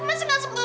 masih gak sembunyi